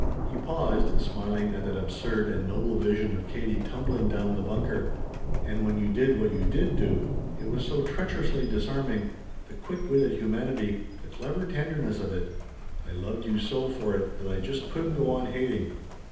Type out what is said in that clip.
He paused, smiling at that absurd and noble vision of Katie tumbling down the bunker. "And when you did what you did do it was so treacherously disarming, the quick witted humanity, the clever tenderness of it I loved you so for it that I just couldn't go on hating.